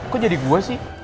kok jadi gue sih